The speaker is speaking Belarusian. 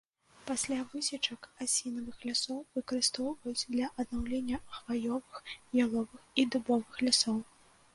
Пасля высечак асінавых лясоў выкарыстоўваюць для аднаўлення хваёвых, яловых і дубовых лясоў.